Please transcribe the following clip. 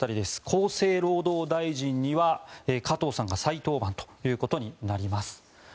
厚生労働大臣には加藤さんが再登板となります。